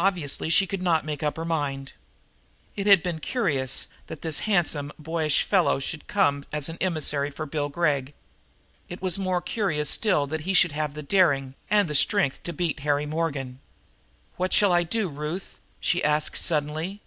Obviously she could not make up her mind. It had been curious that this handsome, boyish fellow should come as an emissary from Bill Gregg. It was more curious still that he should have had the daring and the strength to beat Harry Morgan. "What shall I do, Ruth?" she asked suddenly.